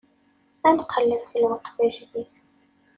Ad nqelleb ɣef lweqt ajdid.